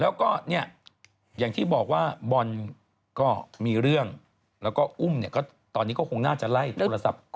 แล้วก็เนี่ยอย่างที่บอกว่าบอลก็มีเรื่องแล้วก็อุ้มเนี่ยก็ตอนนี้ก็คงน่าจะไล่โทรศัพท์ต่อ